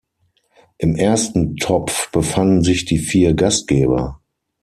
Im ersten Topf befanden sich die vier Gastgeber.